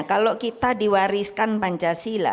kalau kita diwariskan pancasila